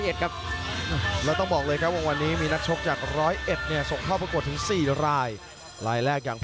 ยอดระดับสิทธิ์ยอดทอง